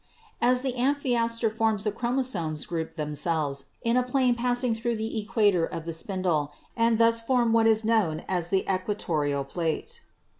As the amphiaster forms the chromosomes group themselves in a plane passing through the equator of the spindle, and thus form what is known as the equatorial plate.